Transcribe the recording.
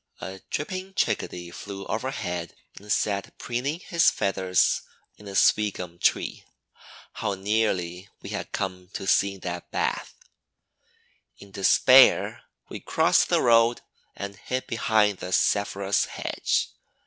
A dripping Chickadee flew overhead and sat preening his feathers in a sweetgum tree. How nearly we had come to seeing that bath! (a thing we had never achieved). In despair we crossed the road and hid behind the sassafras hedge.